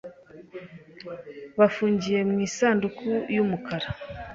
bafungiye mu isanduku yumukara